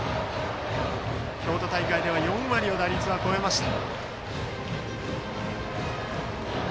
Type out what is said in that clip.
京都大会では打率４割を超えました。